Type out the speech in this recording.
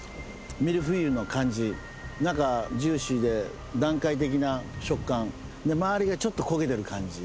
ミルフィーユの感じ中ジューシーで段階的な食感周りがちょっと焦げてる感じ